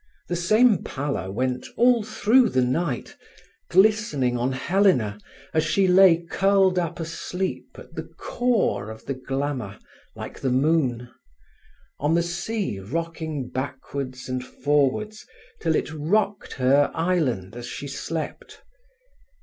The same pallor went through all the night, glistening on Helena as she lay curled up asleep at the core of the glamour, like the moon; on the sea rocking backwards and forwards till it rocked her island as she slept.